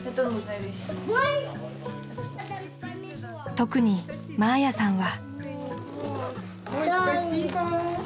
［特にマーヤさんは］